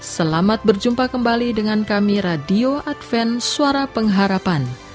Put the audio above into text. selamat berjumpa kembali dengan kami radio adven suara pengharapan